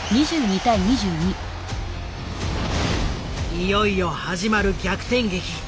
いよいよ始まる逆転劇。